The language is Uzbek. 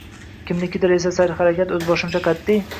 Kimnikidir esa serharakat, o‘zboshimcha, qatʼiy.